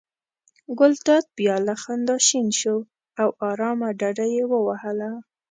ګلداد بیا له خندا شین شو او آرامه ډډه یې ووهله.